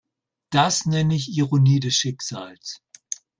Das nenne ich Ironie des Schicksals.